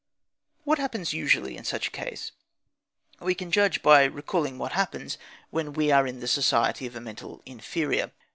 What happens usually in such a case? We can judge by recalling what happens when we are in the society of a mental inferior.